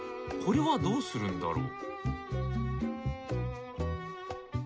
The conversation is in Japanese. これはどうするんだろう？